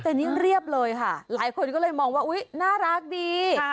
แต่นี่เรียบเลยค่ะหลายคนก็เลยมองว่าอุ๊ยน่ารักดี